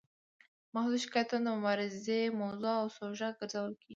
محدود شکایتونه د مبارزې موضوع او سوژه ګرځول کیږي.